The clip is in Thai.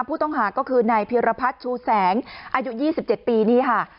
ผู้ต้องหาก็คือนายพิรพัฒน์ชูแสงอายุ๒๗ปีนี่ค่ะ